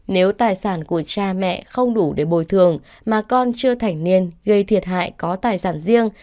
nếu tài sản của cha mẹ không đủ để bồi thường mà con chưa thành niên gây thiệt hại có tài sản riêng